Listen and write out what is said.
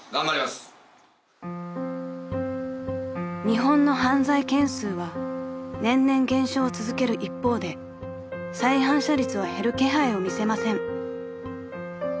［日本の犯罪件数は年々減少を続ける一方で再犯者率は減る気配を見せません］